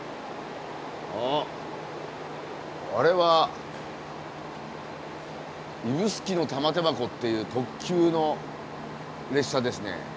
ああれは「指宿のたまて箱」っていう特急の列車ですね。